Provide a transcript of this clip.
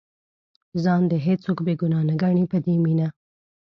ځان دې هېڅوک بې ګناه نه ګڼي په دې مینه.